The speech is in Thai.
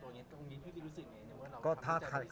อาจจะเอาเข้าส่วนตัวอย่างนี้ก็คงยินที่จะรู้สึกไง